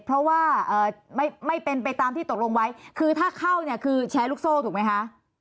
เพราะว่าไม่เป็นไปตามที่ตกลงไว้คือถ้าเข้าเนี่ยคือแชร์ลูกโซ่ถูกไหมคะ